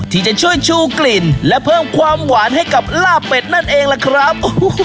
ที่จะช่วยชูกลิ่นและเพิ่มความหวานให้กับลาบเป็ดนั่นเองล่ะครับ